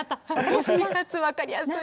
推し活分かりやすい。